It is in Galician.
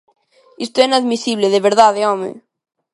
Isto é inadmisible, de verdade, ¡home!